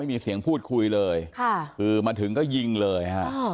ไม่มีเสียงพูดคุยเลยค่ะคือมาถึงก็ยิงเลยฮะ